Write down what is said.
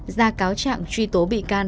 ra cáo trạng truy tố bị can